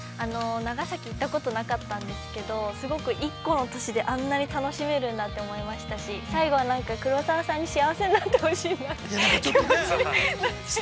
◆長崎に行ったことなかったんですけれども、すごく１個の都市であんなに楽しめるんだと思いましたし、最後は、なんか黒沢さんに幸せになってほしいなって。